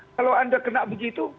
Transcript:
kalau anda kena begitu